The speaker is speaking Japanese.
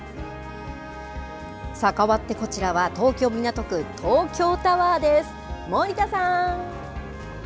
かわってこちらは東京・港区、東京タワーです。